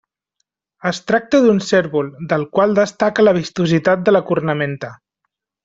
Es tracta d'un cérvol, del qual destaca la vistositat de la cornamenta.